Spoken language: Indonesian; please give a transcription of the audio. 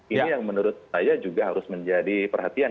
ini yang menurut saya juga harus menjadi perhatian